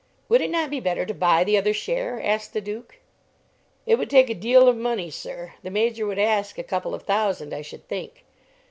"Would it not be better to buy the other share?" asked the Duke. "It would take a deal of money, sir. The Major would ask a couple of thousand, I should think."